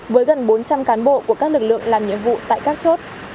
với gần bốn trăm linh cán bộ của các lực lượng làm nhiệm vụ tại các chốt